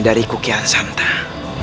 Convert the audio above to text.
dari kukian santan